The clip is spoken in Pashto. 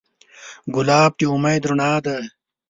ګلاب د امید رڼا ده.